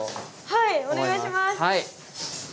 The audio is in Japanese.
はいお願いします。